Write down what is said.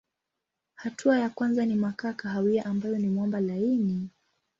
Hatua ya kwanza ni makaa kahawia ambayo ni mwamba laini.